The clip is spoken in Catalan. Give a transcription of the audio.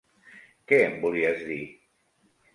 Què em volies dir?